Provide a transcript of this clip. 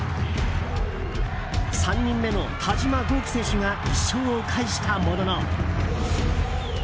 ３人目の田嶋剛希選手が１勝を返したものの。